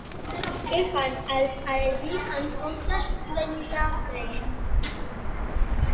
Què fan els Æsir en comptes de lliurar a Freyja?